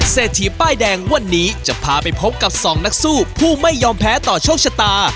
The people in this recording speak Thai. เศรษฐีป้ายแดงวันนี้จะพาไปพบกับสองนักสู้ผู้ไม่ยอมแพ้ต่อโชคชะตา